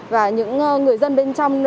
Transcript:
và những người dân bên trong